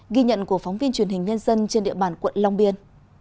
ghi nhận của phóng viên truyền hình nhân dân trên địa bàn quận long biên